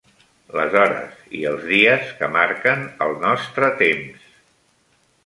Les hores i els dies que marquen el nostre temps.